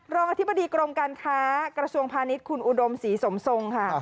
อธิบดีกรมการค้ากระทรวงพาณิชย์คุณอุดมศรีสมทรงค่ะ